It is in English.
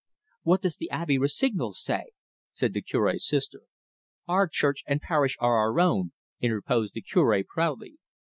"What does the Abbe Rossignol say?" said the Cure's sister. "Our church and parish are our own," interposed the Cure proudly.